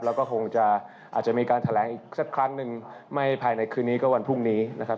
แล้วก็คงจะอาจจะมีการแถลงอีกสักครั้งหนึ่งไม่ภายในคืนนี้ก็วันพรุ่งนี้นะครับ